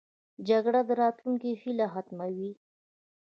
جګړه د راتلونکې هیله ختموي